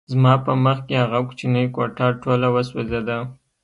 زما په مخکې هغه کوچنۍ کوټه ټوله وسوځېده